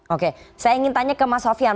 oke saya ingin tanya ke mas sofian